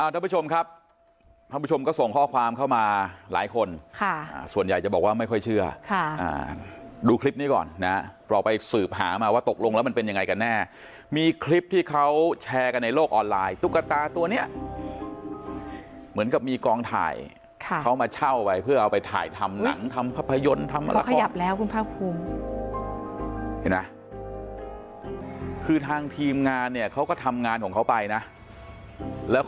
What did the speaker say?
ท่านผู้ชมครับท่านผู้ชมก็ส่งข้อความเข้ามาหลายคนค่ะส่วนใหญ่จะบอกว่าไม่ค่อยเชื่อค่ะดูคลิปนี้ก่อนนะเราไปสืบหามาว่าตกลงแล้วมันเป็นยังไงกันแน่มีคลิปที่เขาแชร์กันในโลกออนไลน์ตุ๊กตาตัวเนี้ยเหมือนกับมีกองถ่ายค่ะเขามาเช่าไปเพื่อเอาไปถ่ายทำหนังทำภาพยนต์ทำละครเขาขยับแล้วคุ